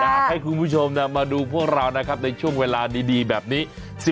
อยากให้คุณผู้ชมมาดูพวกเรานะครับในช่วงเวลาดีแบบนี้